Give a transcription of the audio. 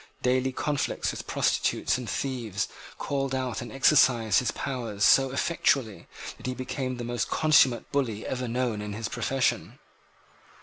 Daily conflicts with prostitutes and thieves called out and exercised his powers so effectually that he became the most consummate bully ever known in his profession.